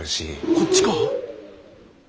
あっちか？